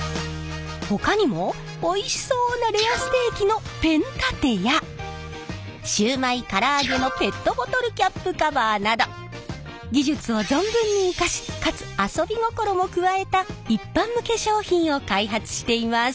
ほかにもおいしそうなレアステーキのペン立てやシューマイから揚げのペットボトルキャップカバーなど技術を存分に生かしかつ遊び心も加えた一般向け商品を開発しています！